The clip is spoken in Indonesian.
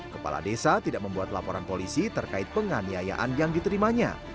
kepala desa tidak membuat laporan polisi terkait penganiayaan yang diterimanya